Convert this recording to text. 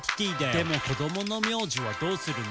「でも子供の名字はどうするの？」